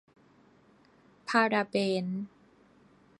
พาราเบน